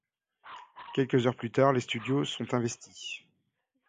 Quelques heures plus tard, les studios sont investis.